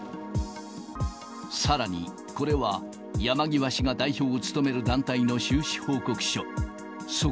さらにこれは、山際氏が代表を務める団体の収支報告書。